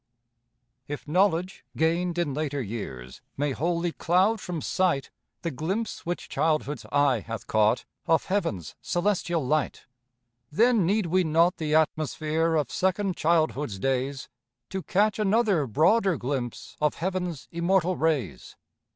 If knowledge gained in later years May wholly cloud from sight The glimpse which childhood's eye hath caught Of heaven's celestial light, Then need we not the atmosphere Of second childhood's days To catch another broader glimpse Of heaven's immortal rays?